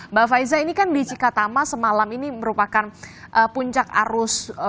mbak faiza ini kan di cikatama semalam ini merupakan puncak arus